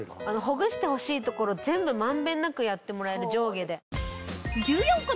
ほぐしてほしい所全部満遍なくやってもらえる上下で。